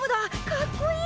かっこいい！